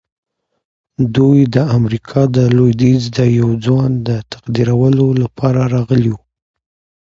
دوی د امريکا د لويديځ د يوه ځوان د تقديرولو لپاره راغلي وو.